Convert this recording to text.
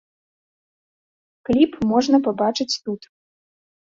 Кліп можна пабачыць тут.